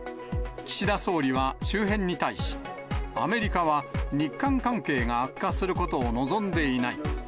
岸田総理は周辺に対し、アメリカは日韓関係が悪化することを望んでいない。